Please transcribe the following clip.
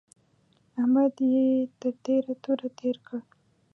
احمد يې تر تېره توره تېر کړ.